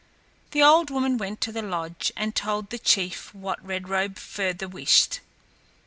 The old woman went to the lodge and told the chief what Red Robe further wished.